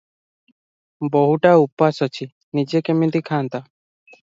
ବୋହୂଟା ଉପାସ ଅଛି, ନିଜେ କିମିତି ଖାନ୍ତା?